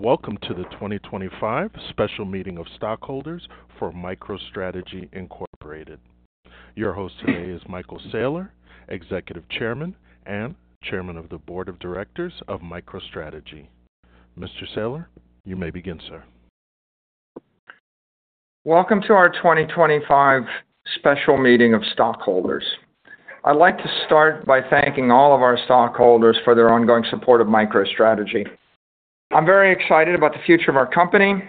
Welcome to the 2025 Special Meeting of Stockholders for MicroStrategy Incorporated. Your host today is Michael Saylor, Executive Chairman and Chairman of the Board of Directors of MicroStrategy. Mr. Saylor, you may begin, sir. Welcome to our 2025 Special Meeting of Stockholders. I'd like to start by thanking all of our stockholders for their ongoing support of MicroStrategy. I'm very excited about the future of our company,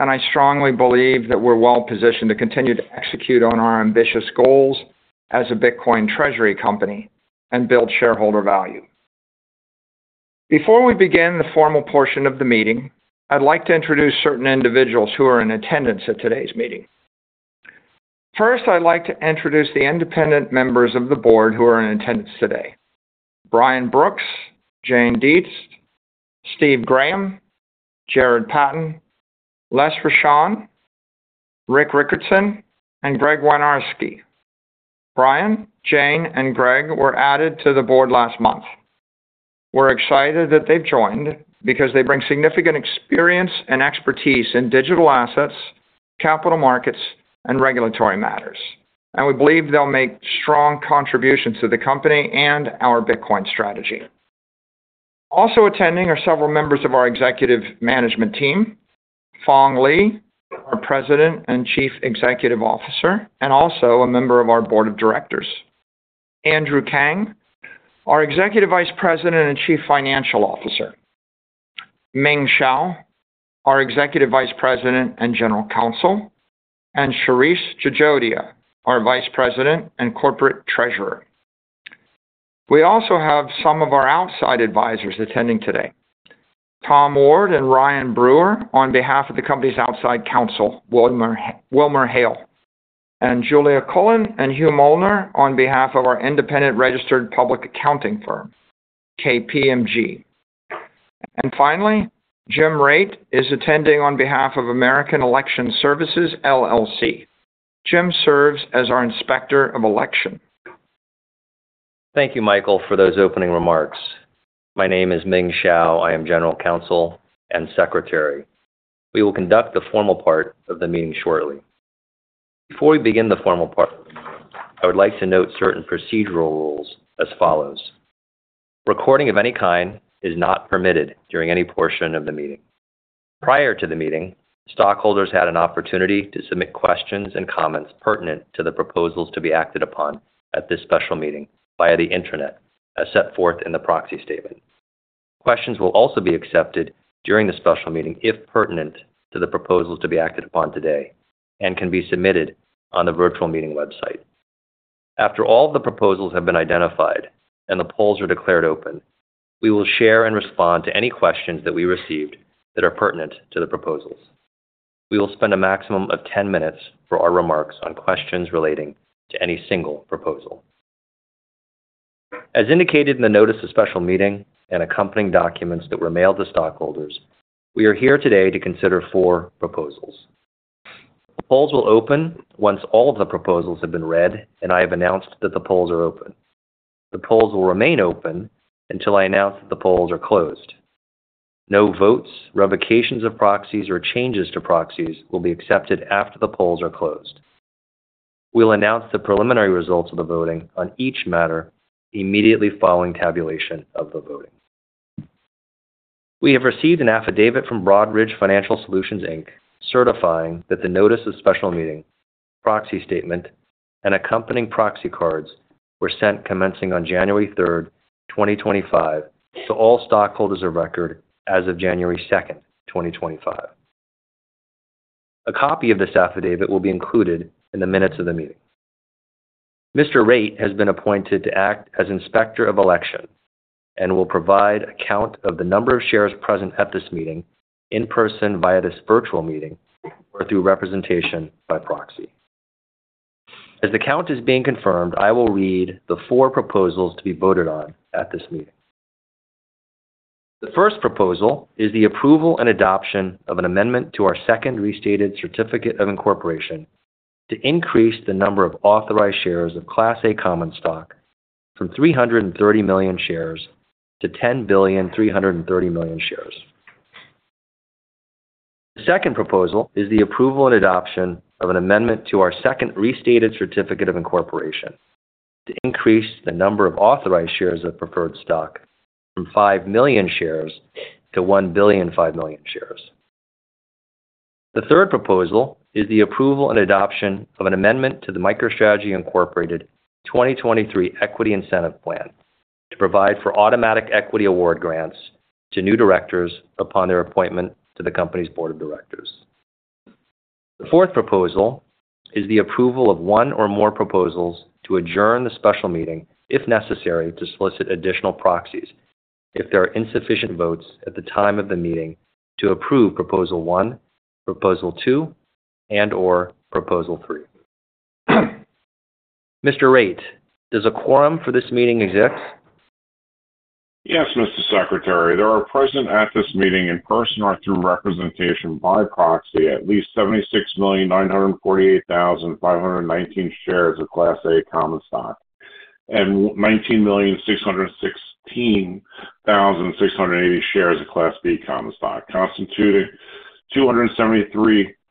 and I strongly believe that we're well positioned to continue to execute on our ambitious goals as a Bitcoin Treasury company and build shareholder value. Before we begin the formal portion of the meeting, I'd like to introduce certain individuals who are in attendance at today's meeting. First, I'd like to introduce the independent members of the board who are in attendance today: Brian Brooks, Jane Dietz, Steve Graham, Jarrod Patten, Rick Rickertsen, and Greg Winiarski. Brian, Jane, and Greg were added to the board last month. We're excited that they've joined because they bring significant experience and expertise in digital assets, capital markets, and regulatory matters, and we believe they'll make strong contributions to the company and our Bitcoin strategy. Also attending are several members of our executive management team: Phong Le, our President and Chief Executive Officer, and also a member of our Board of Directors. Andrew Kang, our Executive Vice President and Chief Financial Officer. Ming Shao, our Executive Vice President and General Counsel. And Shirish Jajodia, our Vice President and Corporate Treasurer. We also have some of our outside advisors attending today: Tom Ward and Ryan Brewer on behalf of the company's outside counsel, WilmerHale. And Julia Cullen and Hugh Molnar on behalf of our independent registered public accounting firm, KPMG. And finally, James Raitt is attending on behalf of American Election Services, LLC. Jim serves as our Inspector of Election. Thank you, Michael, for those opening remarks. My name is Ming Shao. I am General Counsel and Secretary. We will conduct the formal part of the meeting shortly. Before we begin the formal part, I would like to note certain procedural rules as follows: recording of any kind is not permitted during any portion of the meeting. Prior to the meeting, stockholders had an opportunity to submit questions and comments pertinent to the proposals to be acted upon at this special meeting via the intranet as set forth in the proxy statement. Questions will also be accepted during the special meeting if pertinent to the proposals to be acted upon today and can be submitted on the virtual meeting website. After all of the proposals have been identified and the polls are declared open, we will share and respond to any questions that we received that are pertinent to the proposals. We will spend a maximum of 10 minutes for our remarks on questions relating to any single proposal. As indicated in the notice of special meeting and accompanying documents that were mailed to stockholders, we are here today to consider four proposals. The polls will open once all of the proposals have been read, and I have announced that the polls are open. The polls will remain open until I announce that the polls are closed. No votes, revocations of proxies, or changes to proxies will be accepted after the polls are closed. We'll announce the preliminary results of the voting on each matter immediately following tabulation of the voting. We have received an affidavit from Broadridge Financial Solutions, Inc., certifying that the notice of special meeting, proxy statement, and accompanying proxy cards were sent commencing on January 3rd, 2025, to all stockholders of record as of January 2nd, 2025. A copy of this affidavit will be included in the minutes of the meeting. Mr. Raitt has been appointed to act as Inspector of Election and will provide a count of the number of shares present at this meeting in person via this virtual meeting or through representation by proxy. As the count is being confirmed, I will read the four proposals to be voted on at this meeting. The first proposal is the approval and adoption of an amendment to our Second Restated Certificate of Incorporation to increase the number of authorized shares of Class A Common Stock from 330 million shares to 10 billion 330 million shares. The second proposal is the approval and adoption of an amendment to our Second Restated Certificate of Incorporation to increase the number of authorized shares of Preferred Stock from five million shares to one billion five million shares. The third proposal is the approval and adoption of an amendment to the MicroStrategy Incorporated 2023 Equity Incentive Plan to provide for automatic equity award grants to new directors upon their appointment to the company's Board of Directors. The fourth proposal is the approval of one or more proposals to adjourn the special meeting if necessary to solicit additional proxies if there are insufficient votes at the time of the meeting to approve proposal one, proposal two, and/or proposal three. Mr. Raitt, does a quorum for this meeting exist? Yes, Mr. Secretary. There are present at this meeting in person or through representation by proxy at least 76,948,519 shares of Class A Common Stock and 19,616,680 shares of Class B Common Stock, constituting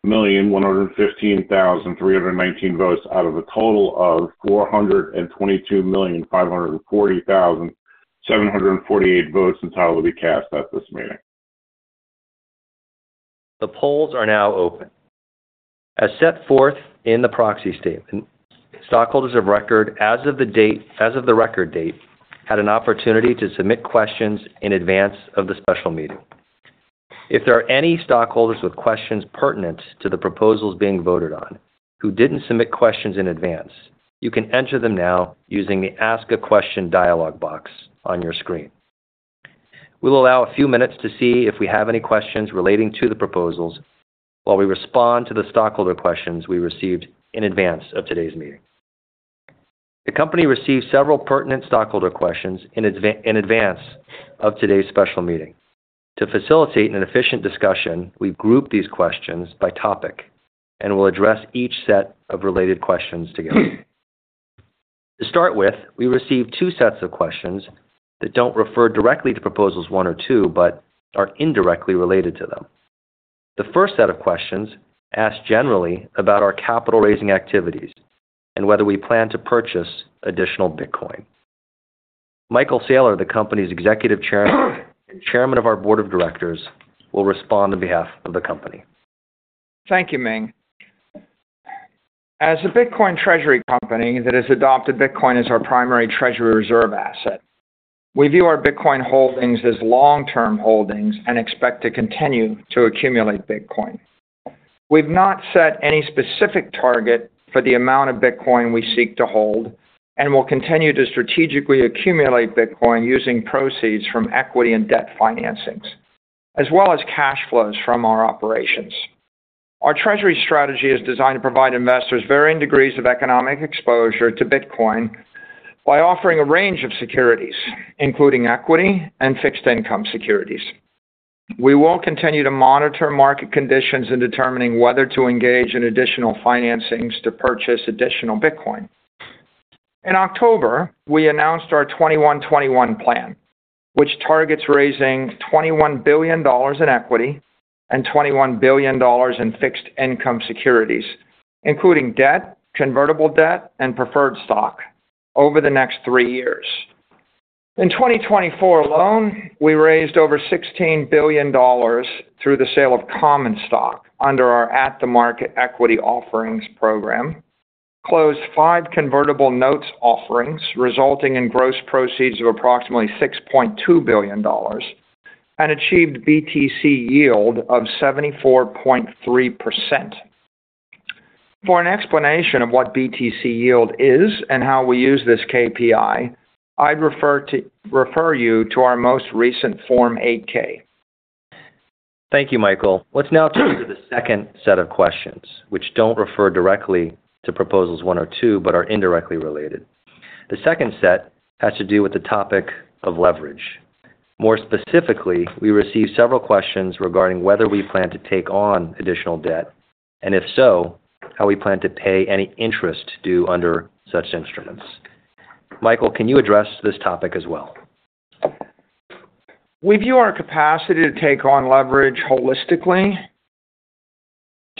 273,115,319 votes out of a total of 422,540,748 votes entitled to be cast at this meeting. The polls are now open. As set forth in the proxy statement, stockholders of record as of the record date had an opportunity to submit questions in advance of the special meeting. If there are any stockholders with questions pertinent to the proposals being voted on who didn't submit questions in advance, you can enter them now using the Ask a Question dialog box on your screen. We'll allow a few minutes to see if we have any questions relating to the proposals while we respond to the stockholder questions we received in advance of today's meeting. The company received several pertinent stockholder questions in advance of today's special meeting. To facilitate an efficient discussion, we've grouped these questions by topic and will address each set of related questions together. To start with, we received two sets of questions that don't refer directly to proposals one or two but are indirectly related to them. The first set of questions asked generally about our capital-raising activities and whether we plan to purchase additional Bitcoin. Michael Saylor, the company's Executive Chairman and Chairman of our Board of Directors, will respond on behalf of the company. Thank you, Ming. As a Bitcoin Treasury company that has adopted Bitcoin as our primary Treasury reserve asset, we view our Bitcoin holdings as long-term holdings and expect to continue to accumulate Bitcoin. We've not set any specific target for the amount of Bitcoin we seek to hold and will continue to strategically accumulate Bitcoin using proceeds from equity and debt financings, as well as cash flows from our operations. Our Treasury strategy is designed to provide investors varying degrees of economic exposure to Bitcoin by offering a range of securities, including equity and fixed income securities. We will continue to monitor market conditions in determining whether to engage in additional financings to purchase additional Bitcoin. In October, we announced our 21/21 Plan, which targets raising $21 billion in equity and $21 billion in fixed income securities, including debt, convertible debt, and preferred stock, over the next three years. In 2024 alone, we raised over $16 billion through the sale of common stock under our At-the-Market Equity Offerings program, closed five convertible notes offerings, resulting in gross proceeds of approximately $6.2 billion, and achieved BTC Yield of 74.3%. For an explanation of what BTC Yield is and how we use this KPI, I'd refer you to our most recent Form 8-K. Thank you, Michael. Let's now turn to the second set of questions, which don't refer directly to proposals one or two but are indirectly related. The second set has to do with the topic of leverage. More specifically, we received several questions regarding whether we plan to take on additional debt and, if so, how we plan to pay any interest due under such instruments. Michael, can you address this topic as well? We view our capacity to take on leverage holistically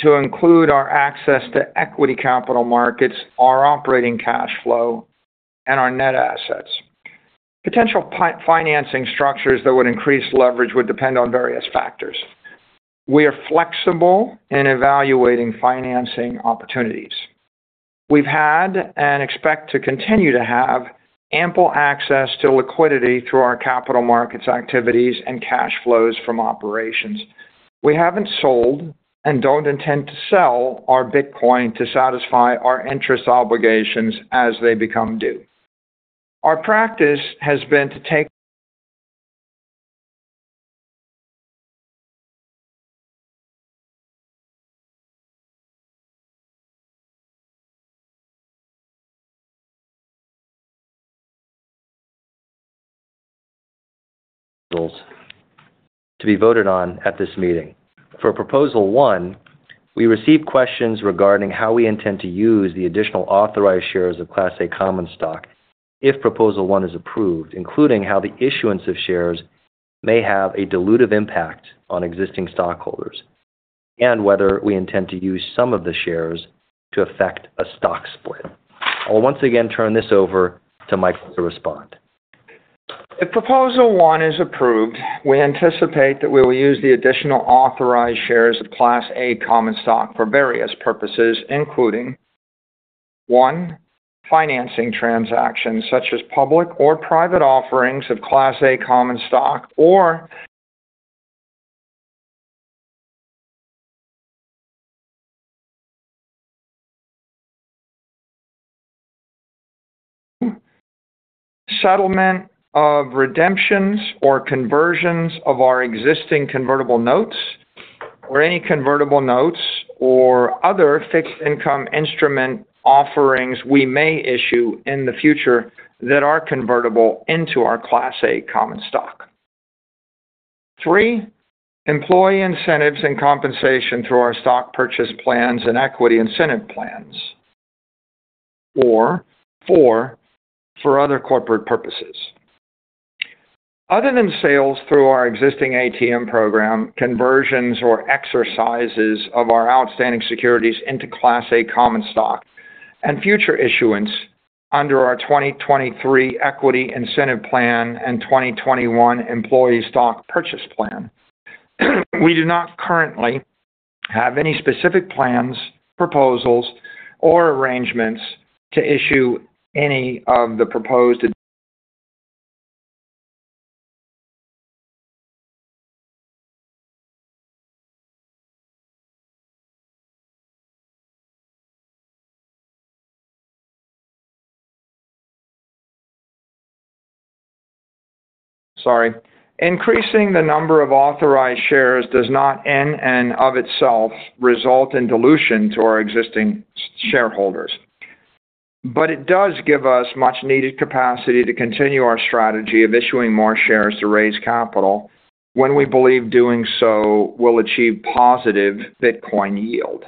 to include our access to equity capital markets, our operating cash flow, and our net assets. Potential financing structures that would increase leverage would depend on various factors. We are flexible in evaluating financing opportunities. We've had and expect to continue to have ample access to liquidity through our capital markets activities and cash flows from operations. We haven't sold and don't intend to sell our Bitcoin to satisfy our interest obligations as they become due. Our practice has been to take. To be voted on at this meeting. For proposal one, we received questions regarding how we intend to use the additional authorized shares of Class A Common Stock if proposal one is approved, including how the issuance of shares may have a dilutive impact on existing stockholders and whether we intend to use some of the shares to affect a stock split. I'll once again turn this over to Michael to respond. If proposal one is approved, we anticipate that we will use the additional authorized shares of Class A Common Stock for various purposes, including one, financing transactions such as public or private offerings of Class A Common Stock or settlement of redemptions or conversions of our existing convertible notes or any convertible notes or other fixed income instrument offerings we may issue in the future that are convertible into our Class A Common Stock. Three, employee incentives and compensation through our stock purchase plans and equity incentive plans. Four, for other corporate purposes. Other than sales through our existing ATM program, conversions or exercises of our outstanding securities into Class A Common Stock and future issuance under our 2023 Equity Incentive Plan and 2021 Employee Stock Purchase Plan, we do not currently have any specific plans, proposals, or arrangements to issue any of the proposed. Sorry. Increasing the number of authorized shares does not in and of itself result in dilution to our existing shareholders, but it does give us much-needed capacity to continue our strategy of issuing more shares to raise capital when we believe doing so will achieve positive Bitcoin yield.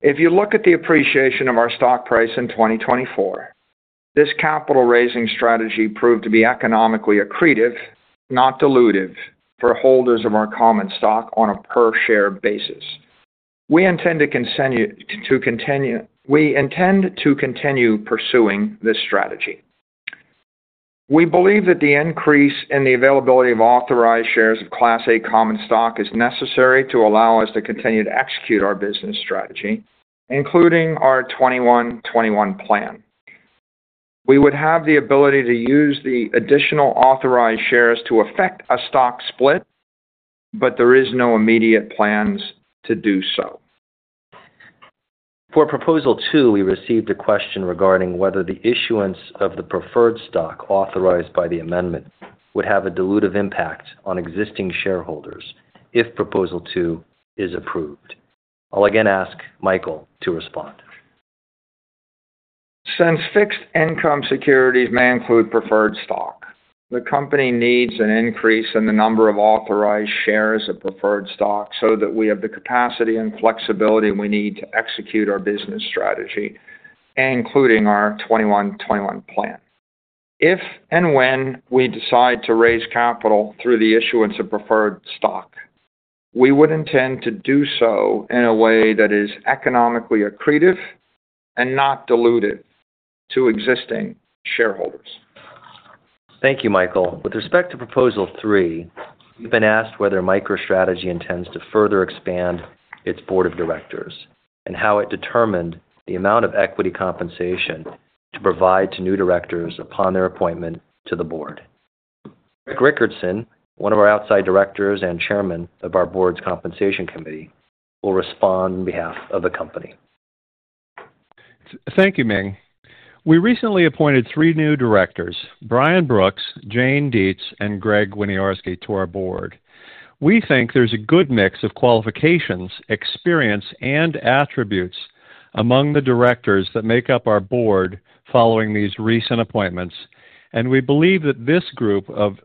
If you look at the appreciation of our stock price in 2024, this capital-raising strategy proved to be economically accretive, not dilutive, for holders of our common stock on a per-share basis. We intend to continue pursuing this strategy. We believe that the increase in the availability of authorized shares of Class A Common Stock is necessary to allow us to continue to execute our business strategy, including our 21/21 Plan. We would have the ability to use the additional authorized shares to affect a stock split, but there are no immediate plans to do so. For Proposal Two, we received a question regarding whether the issuance of the Preferred Stock authorized by the amendment would have a dilutive impact on existing shareholders if Proposal Two is approved. I'll again ask Michael to respond. Since fixed income securities may include Preferred Stock, the company needs an increase in the number of authorized shares of Preferred Stock so that we have the capacity and flexibility we need to execute our business strategy, including our 21/21 Plan. If and when we decide to raise capital through the issuance of Preferred Stock, we would intend to do so in a way that is economically accretive and not dilutive to existing shareholders. Thank you, Michael. With respect to proposal three, we've been asked whether MicroStrategy intends to further expand its Board of Directors and how it determined the amount of equity compensation to provide to new directors upon their appointment to the board. Rickertsen, one of our outside directors and chairman of our board's compensation committee, will respond on behalf of the company. Thank you, Ming. We recently appointed three new directors: Brian Brooks, Jane Dietz, and Greg Winiarski to our board. We think there's a good mix of qualifications, experience, and attributes among the directors that make up our board following these recent appointments, and we believe that this group of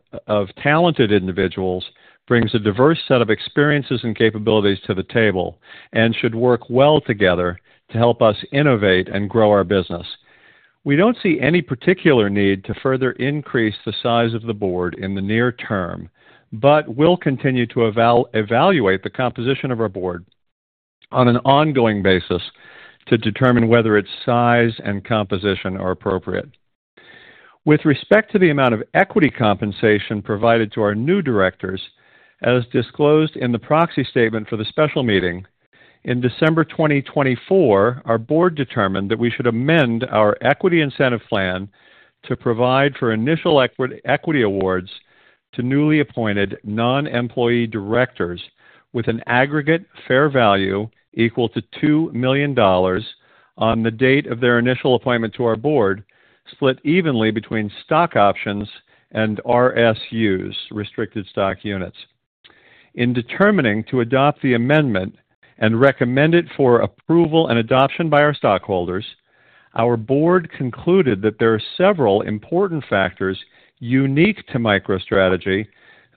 talented individuals brings a diverse set of experiences and capabilities to the table and should work well together to help us innovate and grow our business. We don't see any particular need to further increase the size of the board in the near term, but we'll continue to evaluate the composition of our board on an ongoing basis to determine whether its size and composition are appropriate. With respect to the amount of equity compensation provided to our new directors, as disclosed in the proxy statement for the special meeting in December 2024, our board determined that we should amend our Equity Incentive Plan to provide for initial equity awards to newly appointed non-employee directors with an aggregate fair value equal to $2 million on the date of their initial appointment to our board, split evenly between stock options and RSUs, restricted stock units. In determining to adopt the amendment and recommend it for approval and adoption by our stockholders, our board concluded that there are several important factors unique to MicroStrategy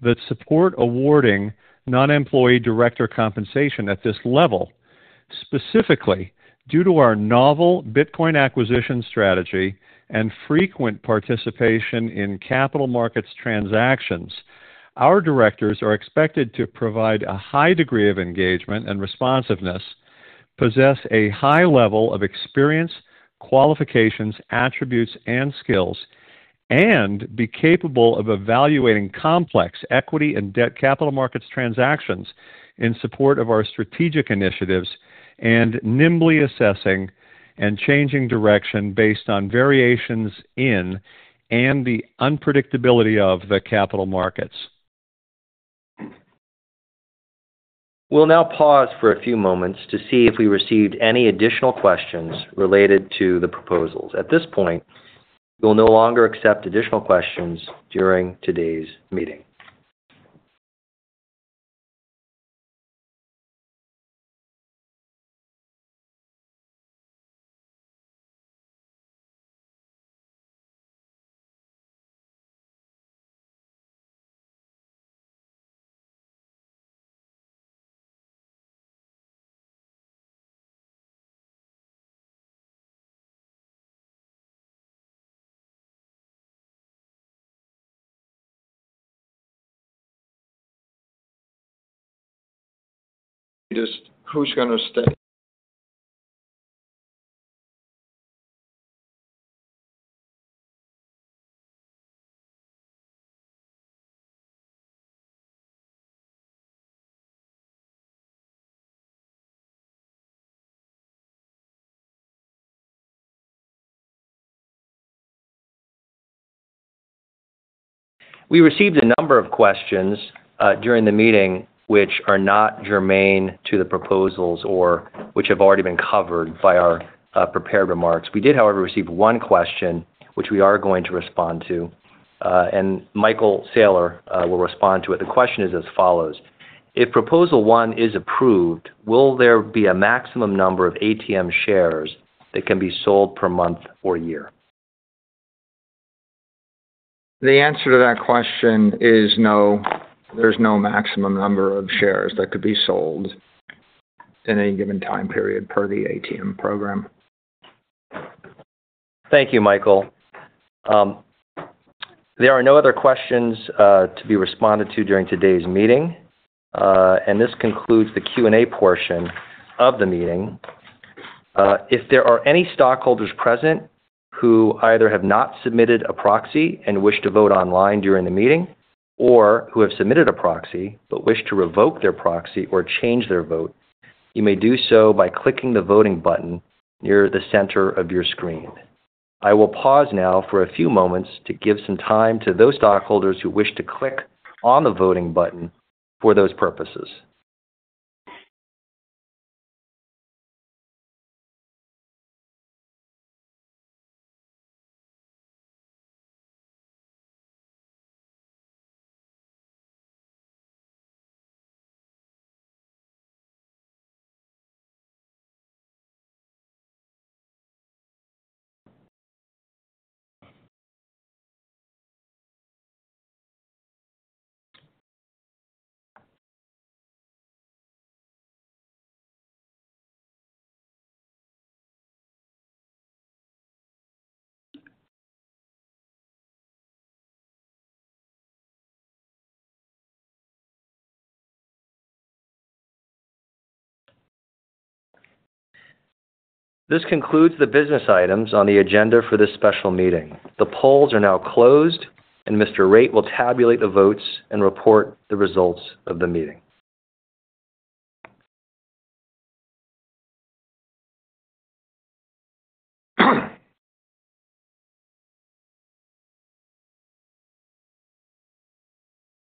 that support awarding non-employee director compensation at this level. Specifically, due to our novel Bitcoin acquisition strategy and frequent participation in capital markets transactions, our directors are expected to provide a high degree of engagement and responsiveness, possess a high level of experience, qualifications, attributes, and skills, and be capable of evaluating complex equity and debt capital markets transactions in support of our strategic initiatives and nimbly assessing and changing direction based on variations in and the unpredictability of the capital markets. We'll now pause for a few moments to see if we received any additional questions related to the proposals. At this point, we'll no longer accept additional questions during today's meeting. Just who's going to stay? We received a number of questions during the meeting which are not germane to the proposals or which have already been covered by our prepared remarks. We did, however, receive one question which we are going to respond to, and Michael Saylor will respond to it. The question is as follows: If proposal one is approved, will there be a maximum number of ATM shares that can be sold per month or year? The answer to that question is no. There's no maximum number of shares that could be sold in any given time period per the ATM program. Thank you, Michael. There are no other questions to be responded to during today's meeting, and this concludes the Q&A portion of the meeting. If there are any stockholders present who either have not submitted a proxy and wish to vote online during the meeting, or who have submitted a proxy but wish to revoke their proxy or change their vote, you may do so by clicking the voting button near the center of your screen. I will pause now for a few moments to give some time to those stockholders who wish to click on the voting button for those purposes. This concludes the business items on the agenda for this special meeting. The polls are now closed, and Mr. Raitt will tabulate the votes and report the results of the meeting.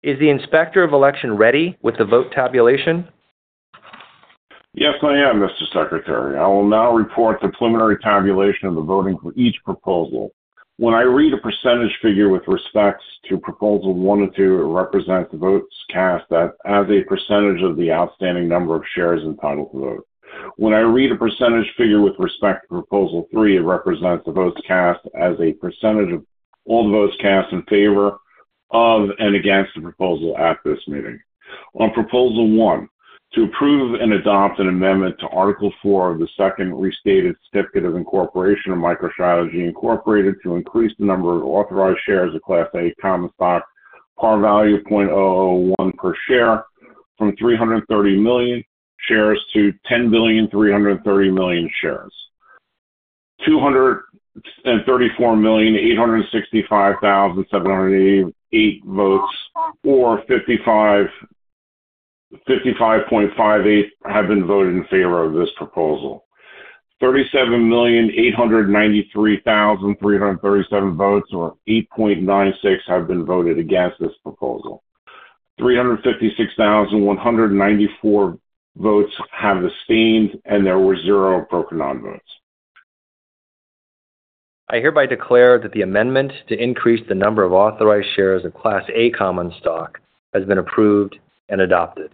Is the Inspector of Election ready with the vote tabulation? Yes, I am, Mr. Secretary. I will now report the preliminary tabulation of the voting for each proposal. When I read a percentage figure with respect to proposal one and two, it represents the votes cast as a percentage of the outstanding number of shares entitled to vote. When I read a percentage figure with respect to proposal three, it represents the votes cast as a percentage of all the votes cast in favor of and against the proposal at this meeting. On proposal one, to approve and adopt an amendment to Article 4 of the second restated certificate of incorporation of MicroStrategy Incorporated to increase the number of authorized shares of Class A Common Stock, par value $0.001 per share from 330 million shares to 10,330 million shares. 234,865,788 votes or 55.58% have been voted in favor of this proposal. 37,893,337 votes or 8.96% have been voted against this proposal. 356,194 votes have abstained, and there were zero broker non-votes. I hereby declare that the amendment to increase the number of authorized shares of Class A Common Stock has been approved and adopted.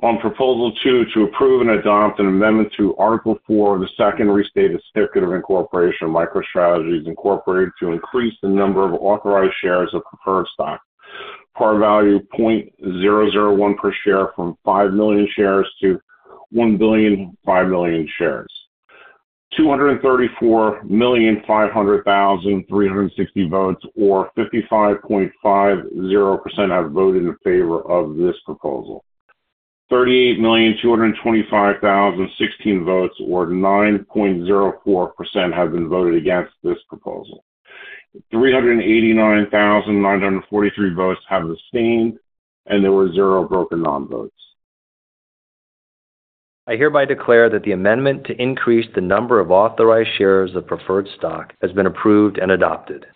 On proposal two, to approve and adopt an amendment to Article 4 of the Second Restated Certificate of Incorporation of MicroStrategy Incorporated to increase the number of authorized shares of Preferred Stock, par value $0.001 per share from 5,000,000 shares to 1,005,000,000 shares. 234,500,360 votes or 55.50% have voted in favor of this proposal. 38,225,016 votes or 9.04% have been voted against this proposal. 389,943 votes have abstained, and there were zero broker non-votes. I hereby declare that the amendment to increase the number of authorized shares of Preferred Stock has been approved and adopted.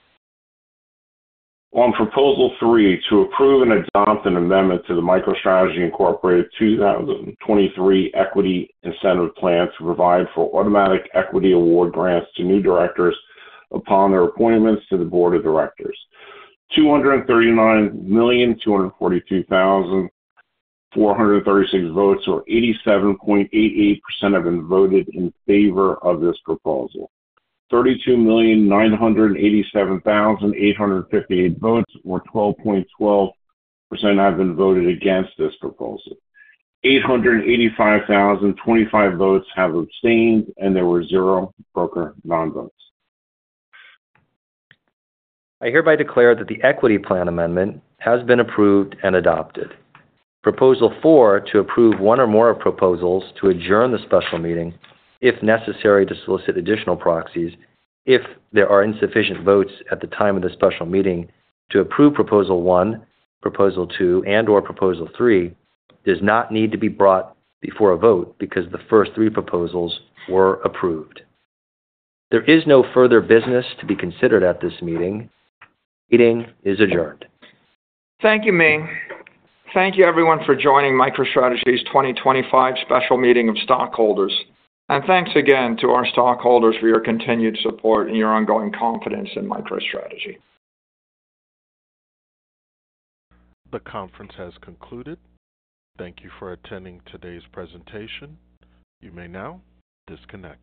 On Proposal Three, to approve and adopt an amendment to the MicroStrategy Incorporated 2023 Equity Incentive Plan to provide for automatic equity award grants to new directors upon their appointments to the Board of Directors. 239,242,436 votes or 87.88% have been voted in favor of this proposal. 32,987,858 votes or 12.12% have been voted against this proposal. 885,025 votes have abstained, and there were zero broker non-votes. I hereby declare that the equity plan amendment has been approved and adopted. Proposal four, to approve one or more of proposals to adjourn the special meeting if necessary to solicit additional proxies if there are insufficient votes at the time of the special meeting to approve proposal one, proposal two, and/or proposal three, does not need to be brought before a vote because the first three proposals were approved. There is no further business to be considered at this meeting. Meeting is adjourned. Thank you, Ming. Thank you, everyone, for joining MicroStrategy's 2025 special meeting of stockholders. And thanks again to our stockholders for your continued support and your ongoing confidence in MicroStrategy. The conference has concluded. Thank you for attending today's presentation. You may now disconnect.